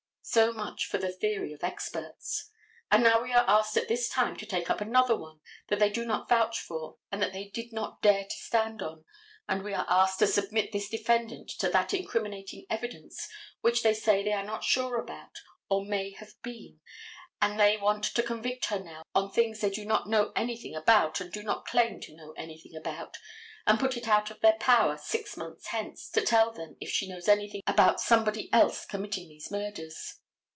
So much for the theory of experts. And now we are asked at this time to take up another one that they do not vouch for and that they did not dare to stand on, and we are asked to submit this defendant to that incriminating evidence which they say they are not sure about or may have been, and they want to convict her now on things they do not know anything about and do not claim to know anything about, and put it out of their power, six months hence, to tell them if she knows anything about somebody else committing these murders.